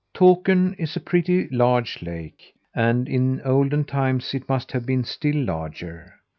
Takern is a pretty large lake and in olden times it must have been still larger.